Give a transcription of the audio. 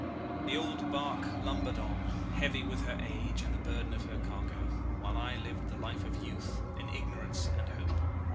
The old bark lumbered on, heavy with her age and the burden of her cargo, while I lived the life of youth in ignorance and hope.